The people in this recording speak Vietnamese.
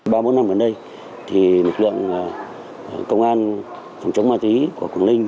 trong ba bốn năm gần đây lực lượng công an phòng chống ma túy của quản lý